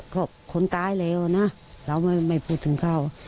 ก็คนตายแล้วนะเราไม่พูดถึงเขา